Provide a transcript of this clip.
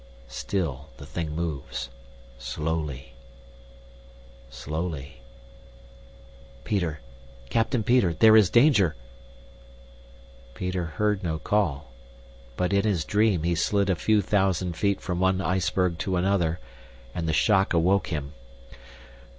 Still the thing moves, slowly, slowly. Peter! Captain Peter, there is danger! Peter heard no call, but in his dream, he slid a few thousand feet from one iceberg to another, and the shock awoke him.